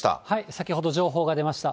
先ほど情報が出ました。